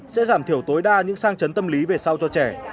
sẽ giảm thiểu tối đa những sang chấn tâm lý về sau cho trẻ